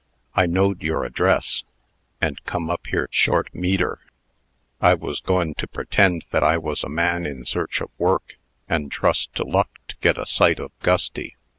I knowed your address, and come up here short metre. I was goin' to pretend that I was a man in search of work, and trust to luck to get a sight of Gusty.